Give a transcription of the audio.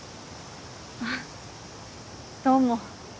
あっどうも。